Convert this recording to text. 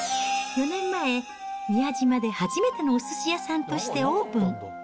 ４年前、宮島で初めてのおすし屋さんとしてオープン。